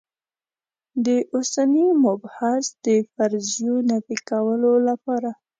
د اوسني مبحث د فرضیو نفي کولو لپاره.